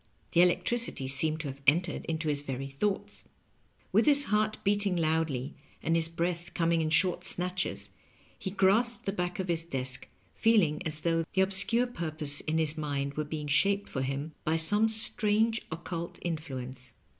The electricity seemed to have entered into his very thoughts. With his heart besting loudly and his breath coming in short snatches, he grasped the back of his desk, feeling as though the obscure purpose in his mind were being shaped for him by some strange occult influence.